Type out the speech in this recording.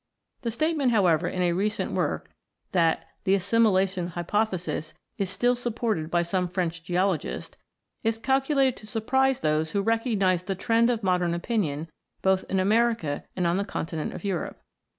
The statement, however, in a recent work that " the assimilation hypothesis " is "still supported by some French geologists" is calculated to surprise those who recognise the trend of modern opinion both in America and on the con tinent of Europe.